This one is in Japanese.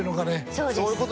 そうです。